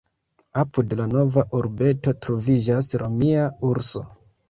Apud la nova urbeto troviĝas romia "Urso".